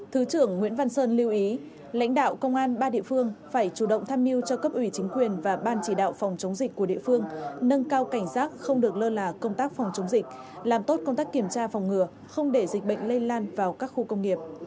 thứ trưởng nguyễn văn sơn lưu ý lãnh đạo công an ba địa phương phải chủ động tham mưu cho cấp ủy chính quyền và ban chỉ đạo phòng chống dịch của địa phương nâng cao cảnh giác không được lơ là công tác phòng chống dịch làm tốt công tác kiểm tra phòng ngừa không để dịch bệnh lây lan vào các khu công nghiệp